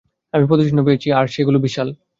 আমি পদচিহ্ন পেয়েছি, আর সেগুলো বিশাল।